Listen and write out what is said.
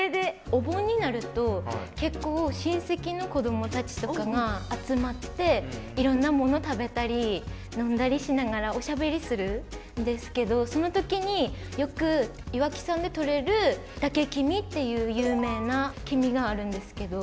お盆になると結構親戚の子どもたちとかが集まっていろんなもの食べたり飲んだりしながらおしゃべりするんですけどその時によく岩木山で取れる嶽きみっていう有名なきみがあるんですけど。